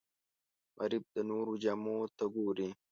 غریب د نورو جامو ته ګوري